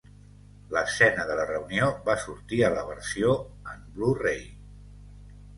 L'escena de la reunió va sortir a la versió en Blu-ray.